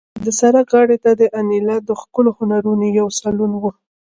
د سړک غاړې ته د انیلا د ښکلو هنرونو یو سالون و